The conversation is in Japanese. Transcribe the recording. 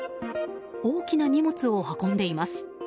大きな荷物を運んでいます。